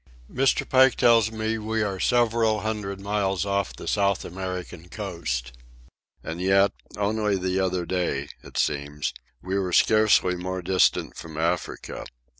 Mr. Pike tells me we are several hundred miles off the South American coast. And yet, only the other day, it seems, we were scarcely more distant from Africa.